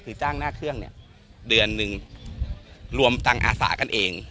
คือจ้างหน้าเครื่องเนี่ยเดือนหนึ่งรวมตังค์อาสากันเอง